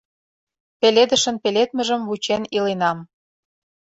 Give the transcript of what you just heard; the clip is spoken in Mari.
Пеледышын пеледмыжым вучен иленам.